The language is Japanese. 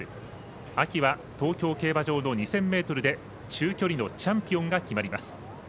秋は東京競馬場の２０００ｍで中距離のチャンピオンが決まります。